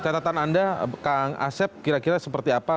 catatan anda kang asep kira kira seperti apa